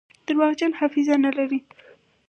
درواغجن حافظه نلري.